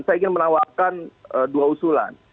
saya ingin menawarkan dua usulan